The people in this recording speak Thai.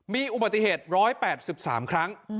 มีอุบัติเหตุ๑๘๓ครั้ง